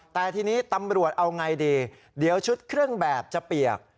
แต่ทีนี้ตำรวจเอาไงดีเดี๋ยวชุดเครื่องแบบจะเปียก